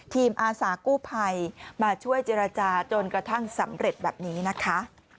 อาสากู้ภัยมาช่วยเจรจาจนกระทั่งสำเร็จแบบนี้นะคะ